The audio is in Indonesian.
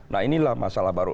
nah inilah masalah baru